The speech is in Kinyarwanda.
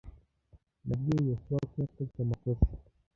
Nabwiye Yosuwa ko yakoze amakosa.